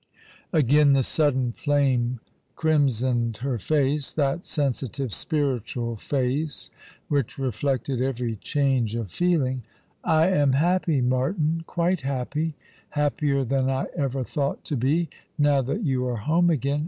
Again the sudden flame crimsoned her face, that sensitive spiritual face which reflected every change of feeling. " I am happy, Martin, quite happy, happier than I ever thought to be, now that you are home again.